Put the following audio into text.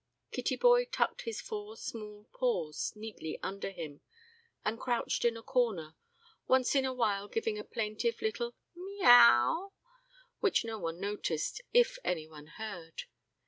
Kittyboy tucked his four small paws neatly under him, and crouched in a corner, once in a while giving a plaintive little "meow," which no one noticed, if any one heard.